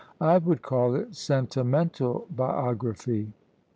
I would call it sentimental biography!